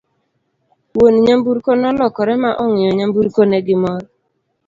wuon nyamburko nolokore ma ong'iyo nyamburko ne gi mor